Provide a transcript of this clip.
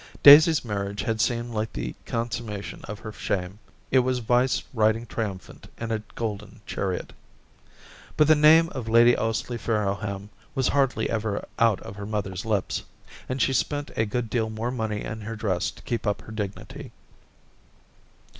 Daisy's marriage had seemed like the con summation of her shame ; it was vice riding triumphant in a golden chariot. ... But the name of Lady Ously Farrowham was hardly ever out of her mother's lips ; and she spent a good deal more money in her dress to keep up her dignity.